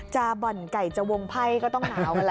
จะบ่อนไก่จะวงไพ่ก็ต้องนาวก็แหละ